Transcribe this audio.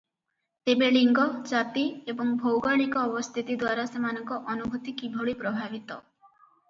ତେବେ ଲିଙ୍ଗ, ଜାତି ଏବଂ ଭୌଗୋଳିକ ଅବସ୍ଥିତିଦ୍ୱାରା ସେମାନଙ୍କ ଅନୁଭୂତି କିଭଳି ପ୍ରଭାବିତ?